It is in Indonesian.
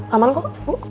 aman kok bu